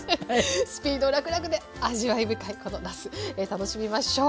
スピードらくらくで味わい深いこのなす楽しみましょう。